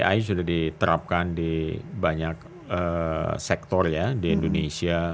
i sudah diterapkan di banyak sektor ya di indonesia